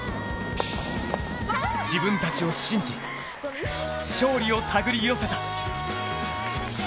自分たちを信じ、勝利をたぐり寄せた。